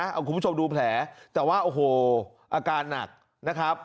เอาคุณผู้ชมดูแผลแต่ว่าโอ้โหอาการหนักนะครับ